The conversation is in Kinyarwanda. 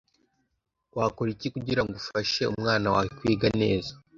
Wakora iki kugira ngo ufashe umwana wawe kwiga neza